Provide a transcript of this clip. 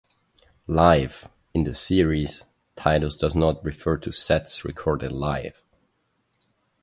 'Live' in the series' titles does not refer to sets recorded live.